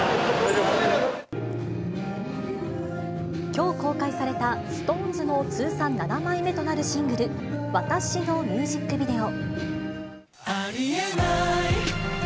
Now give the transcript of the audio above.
きょう公開された、ＳｉｘＴＯＮＥＳの通算７枚目となるシングル、わたしのミュージックビデオ。